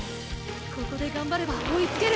ここで頑張れば追いつける。